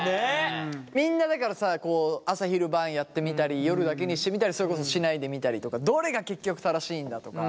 みんなだからさ朝昼晩やってみたり夜だけにしてみたりそれこそしないでみたりとかどれが結局正しいんだとか。